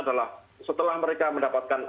adalah setelah mereka mendapatkan